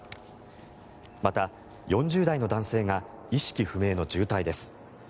また４０代の男性が意識不明の重体です。